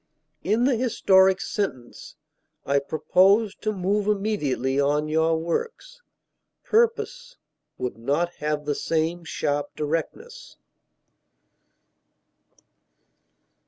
In the historic sentence, "I propose to move immediately on your works," purpose would not have the same sharp directness.